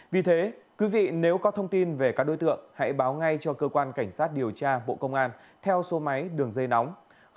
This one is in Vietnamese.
vì thế quý vị nếu có thông tin về các đối tượng hãy báo ngay cho cơ quan cảnh sát điều tra bộ công an theo số máy đường dây nóng